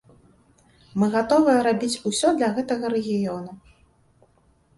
Мы гатовыя рабіць усё для гэтага рэгіёну.